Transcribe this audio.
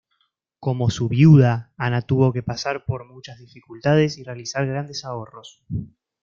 Como su viuda, Ana tuvo que pasar por muchas dificultades y realizar grandes ahorros.